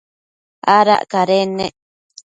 Adac cadennec